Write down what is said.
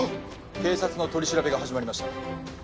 警察の取り調べが始まりました。